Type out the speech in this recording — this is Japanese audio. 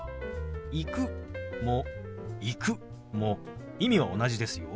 「行く」も「行く」も意味は同じですよ。